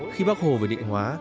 khi bác hồ về định hóa